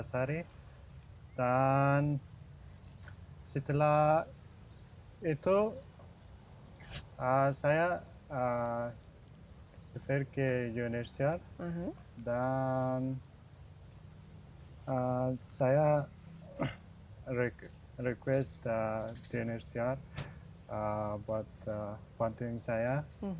sebelas hari dan setelah itu saya berpanggilan ke unhcr dan saya meminta unhcr untuk mengikuti saya